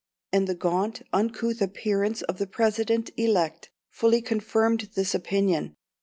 And the gaunt, uncouth appearance of the President elect fully confirmed this opinion.